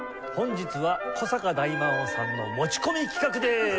本日は古坂大魔王さんの持ち込み企画です！